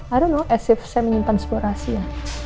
i don't know as if saya menyimpan sebuah rahasia